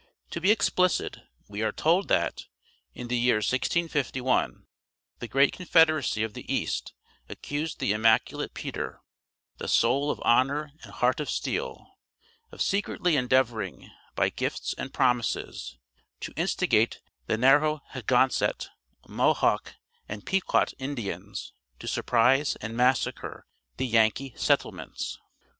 To be explicit, we are told that, in the years 1651, the great confederacy of the east accused the immaculate Peter, the soul of honor and heart of steel, of secretly endeavoring, by gifts and promises, to instigate the Narroheganset, Mohaque, and Pequot Indians to surprise and massacre the Yankee settlements.